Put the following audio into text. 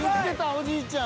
おじいちゃん］